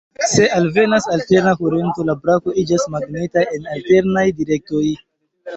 Se alvenas alterna kurento, la brako iĝas magneta en alternaj direktoj.